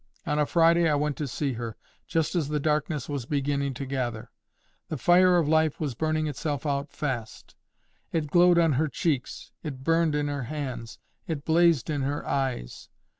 On a Friday I went to see her, just as the darkness was beginning to gather. The fire of life was burning itself out fast. It glowed on her cheeks, it burned in her hands, it blazed in her eyes.